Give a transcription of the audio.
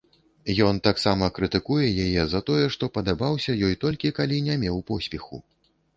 Ён таксама крытыкуе яе за тое, што падабаўся ёй, толькі калі не меў поспеху.